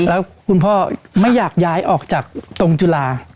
แล้วคุณพ่อไม่อยากย้ายออกจากตรงจุฬา